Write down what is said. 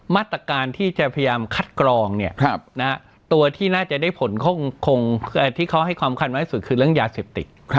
มาตรการที่จะพยายามคัดกรองตัวที่น่าจะได้ผลที่เขาให้ความคันมากที่สุดคือเรื่องยาเสพติด